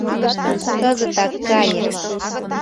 Кызытак кае...